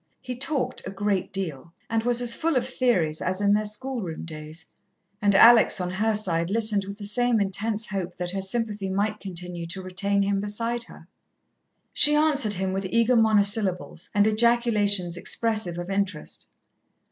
He talked a great deal, and was as full of theories as in their schoolroom days, and Alex, on her side, listened with the same intense hope that her sympathy might continue to retain him beside her. She answered him with eager monosyllables and ejaculations expressive of interest.